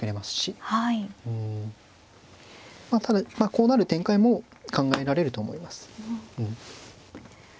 こうなる展開も考えられると思います。